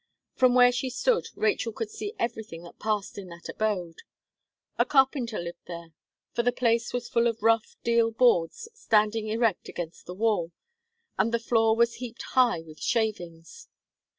From where she stood, Rachel could see everything that passed in that abode. A carpenter lived there, for the place was full of rough deal boards standing erect against the wall, and the floor was heaped high with shavings.